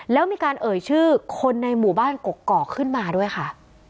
แล้วมีการเอ่ยชื่อคนในหมู่บ้านกกอกขึ้นมาด้วยค่ะ